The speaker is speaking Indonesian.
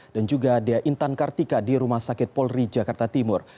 dan juga ada intan kartika di rumah sakit polri jakarta timur